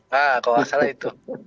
nah kalau nggak salah itu